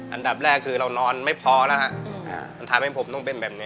อันดับแรกคือเรานอนไม่พอแล้วฮะมันทำให้ผมต้องเป็นแบบนี้